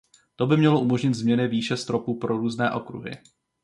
To by mělo umožnit změny výše stropu pro různé okruhy.